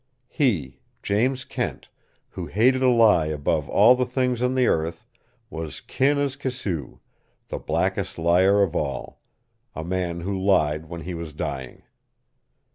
He, James Kent, who hated a lie above all the things on the earth, was kin as kisew the blackest liar of all, a man who lied when he was dying.